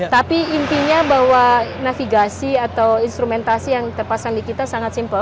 tapi intinya bahwa navigasi atau instrumentasi yang terpasang di kita sangat simpel